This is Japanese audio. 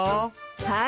はい。